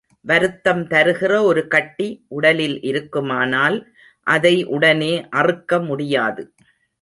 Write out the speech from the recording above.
வருத்தம் தருகிற ஒரு கட்டி, உடலில் இருக்குமானால் அதை உடனே அறுக்க முடியாது.